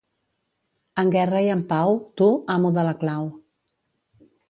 En guerra i en pau, tu, amo de la clau.